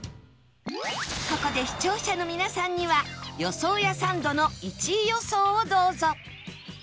ここで視聴者の皆さんには予想屋サンドの１位予想をどうぞ